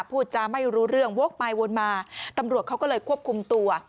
พูดจาไม่รู้เรื่องวกไปวนมาตำรวจเขาก็เลยควบคุมตัว